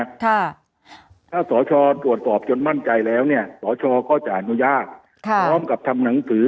ค่ะถ้าสชตรวจสอบจนมั่นใจแล้วเนี่ยสชก็จะอนุญาตค่ะพร้อมกับทำหนังสือ